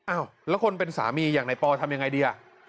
อ้าวแล้วคนเป็นสามีอย่างในปอทำยังไงดีอ่ะ